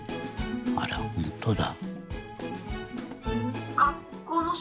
あらほんとだ。